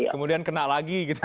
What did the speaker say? kemudian kena lagi gitu